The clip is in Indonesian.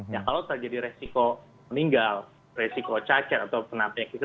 ya kalau terjadi resiko meninggal resiko cacat atau penampil